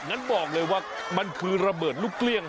งั้นบอกเลยว่ามันคือระเบิดลูกเกลี้ยง